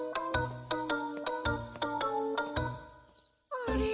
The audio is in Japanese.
あれ？